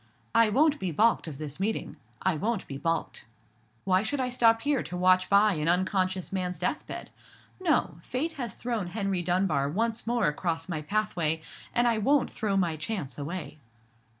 I won't be balked of this meeting—I won't be balked. Why should I stop here to watch by an unconscious man's death bed? No! Fate has thrown Henry Dunbar once more across my pathway: and I won't throw my chance away."